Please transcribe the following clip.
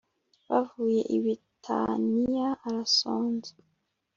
Bavuye i Betaniya arasonza